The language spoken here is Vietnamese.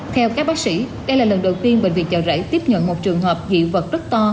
theo các bác sĩ đây là lần đầu tiên bệnh viện chợ rảy tiếp nhận một trường hợp dị vật